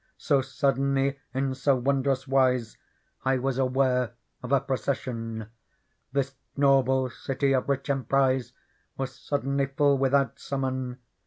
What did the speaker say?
So suddenly^ in so wondrous wise, I was aware of a procession : This noble city of rich emprise Was suddenly fall, without summon.